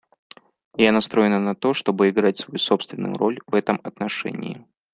И я настроена на то, чтобы играть свою собственную роль в этом отношении.